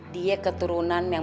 dia keturunan yang